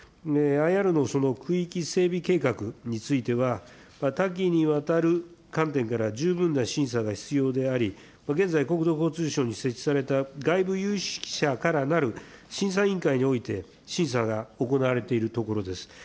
ＩＲのその区域整備計画については、多岐にわたる観点から十分な審査が必要であり、現在、国土交通省に設置された外部有識者からなる審査委員会において、審査が行われているところです。